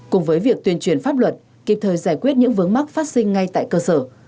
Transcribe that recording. cùng với việc tuyên truyền pháp luật kịp thời giải quyết những vướng mắc phát sinh ngay tại cơ sở